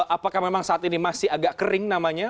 apakah memang saat ini masih agak kering namanya